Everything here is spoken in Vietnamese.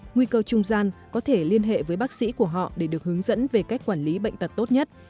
nguy cơ trung gian có thể liên hệ với bác sĩ của họ để được hướng dẫn về cách quản lý bệnh tật tốt nhất